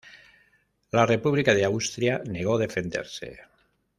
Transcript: La República de Austria negó defenderse.